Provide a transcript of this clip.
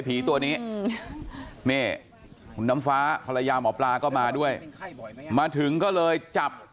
ผีตัวนี้นี่คุณน้ำฟ้าภรรยาหมอปลาก็มาด้วยมาถึงก็เลยจับ